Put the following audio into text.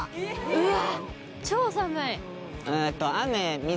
うわ。